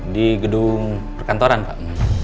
di gedung perkantoran pak